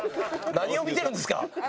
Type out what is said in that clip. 何を見てるんですか？